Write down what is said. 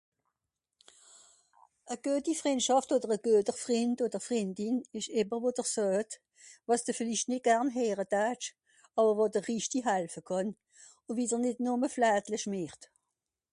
Une bonne amitié, un bon ami ou une bonne amie c'est quelqu'un qui te dit ce que tu n'aimerais peut être pas entendre, mais qui t'aides vraiment, et qui ne te fais pas des ronds de jambe